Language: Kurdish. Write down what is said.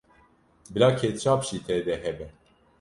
Bila ketçap jî tê de hebe.